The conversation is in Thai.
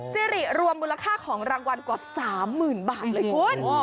สิริรวมมูลค่าของรางวัลกว่า๓๐๐๐บาทเลยคุณ